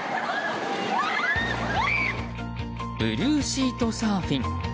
ブルーシートサーフィン。